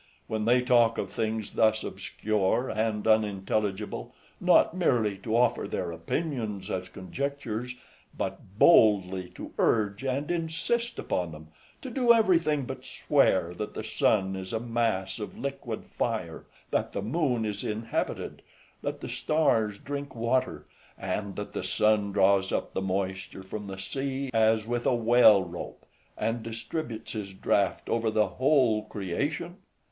When they talk of things thus obscure and unintelligible, not merely to offer their opinions as conjectures, but boldly to urge and insist upon them: to do everything but swear, that the sun is a mass of liquid fire, that the moon is inhabited, that the stars drink water, and that the sun draws up the moisture from the sea, as with a well rope, and distributes his draught over the whole creation?